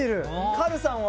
カルさんは？